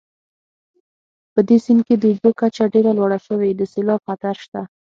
په دې سیند کې د اوبو کچه ډېره لوړه شوې د سیلاب خطر شته